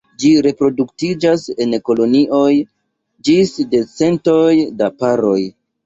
Ĝi reproduktiĝas en kolonioj ĝis de centoj da paroj.